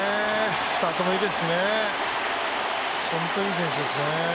スタートもいいですしね、本当、いい選手ですね。